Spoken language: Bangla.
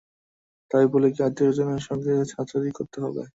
তাই বলে কি আত্মীয়স্বজনের সঙ্গে ছাড়াছাড়ি করতে হবে!